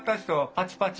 パチパチ。